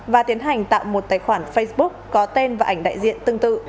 và tiến hành tạo một tài khoản facebook có tên và ảnh đại diện tương tự